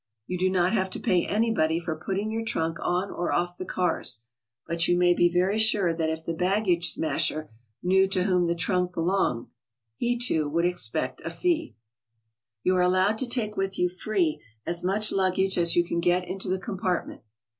You do not have to pay anybody for putting your trunk on or off the cars, but you may be very sure that if the baggage smasher knew to whom the trunk belonged, he, too, would expect a fee. HOW TO TRAVEL ABROAD. 65 You are allowed to take with you free as much luggage as you can get into the compartment.